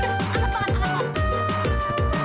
gue gak mau kelawan